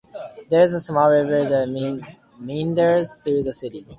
There is a small river the meanders through the city.